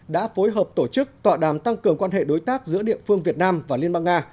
đã phối hợp tổ chức tọa đàm tăng cường quan hệ đối tác giữa địa phương việt nam và liên bang nga